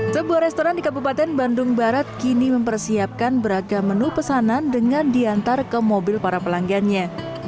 sebuah restoran di kabupaten bandung barat kini mempersiapkan beragam menu pesanan dengan diantar ke mobil para pelanggannya